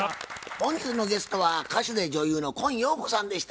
本日のゲストは歌手で女優の今陽子さんでした。